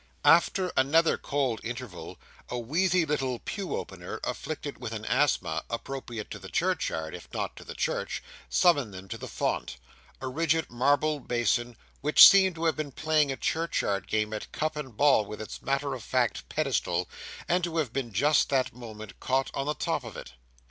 After another cold interval, a wheezy little pew opener afflicted with an asthma, appropriate to the churchyard, if not to the church, summoned them to the font—a rigid marble basin which seemed to have been playing a churchyard game at cup and ball with its matter of fact pedestal, and to have been just that moment caught on the top of it.